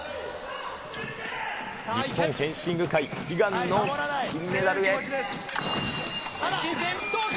日本フェンシング界悲願の金接近戦、どうか？